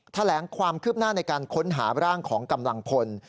แถลงความคืบหน้าในการค้นหาร่างของกำลังพล